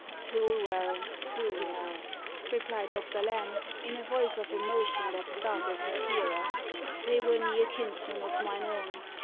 "Too well too well!" replied Doctor Lamb, in a voice of emotion that startled his hearer. "They were near kinsmen of mine own.